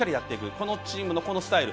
このチームのこのスタイル。